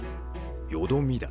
よどみだ。